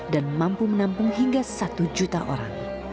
dan mampu menampung hingga satu juta orang